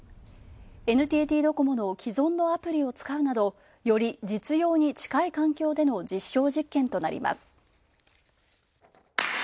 ＮＴＴドコモの既存のアプリを使うなど、より実用に近い環境での実証実験となります。